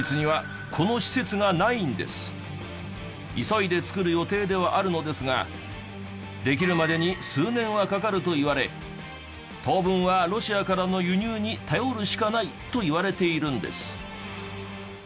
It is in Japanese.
急いで造る予定ではあるのですができるまでに数年はかかるといわれ当分はロシアからの輸入に頼るしかないといわれているんです。